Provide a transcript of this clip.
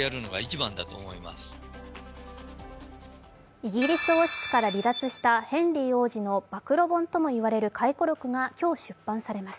イギリス王室から離脱したヘンリー王子の暴露本とも言われる回顧録が今日出版されます。